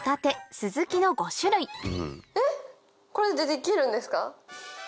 これでできるんですか？